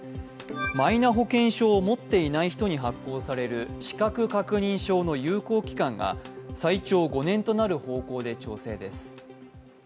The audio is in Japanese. マイナ保険証を持っていない人に発行される資格確認書の有効期間が最長５年となる方向で調整です。